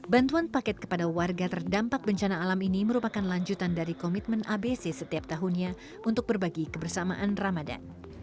bantuan paket kepada warga terdampak bencana alam ini merupakan lanjutan dari komitmen abc setiap tahunnya untuk berbagi kebersamaan ramadan